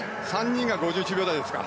３人が５１秒台ですか。